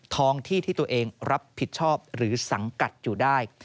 ท้องที่ที่ตัวเองรับผิดชอบหรือสังกัดอยู่ได้